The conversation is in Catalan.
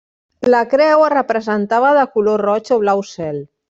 La creu es representava de color roig o blau cel.